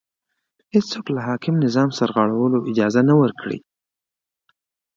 هېڅوک له حاکم نظام سرغړولو اجازه نه ورکړي